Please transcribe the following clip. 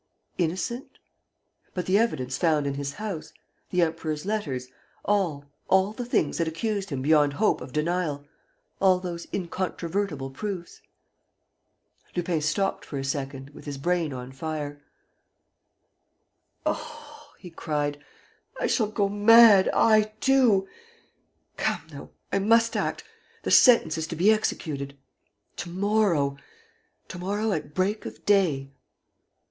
Innocent? But the evidence found in his house, the Emperor's letters, all, all the things that accused him beyond hope of denial, all those incontrovertible proofs? Lupin stopped for a second, with his brain on fire: "Oh," he cried, "I shall go mad, I, too! Come, though, I must act ... the sentence is to be executed ... to morrow ... to morrow at break of day."